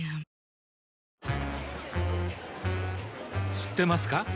知ってますか？